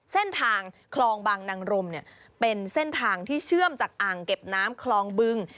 เส้นทางคลองบางนางรมเนี่ยเป็นเส้นทางที่เชื่อมจากอ่างเก็บน้ำคลองบึง